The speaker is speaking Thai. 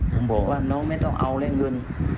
ผมบอกว่าน้องไม่ต้องเอาแรงเงิน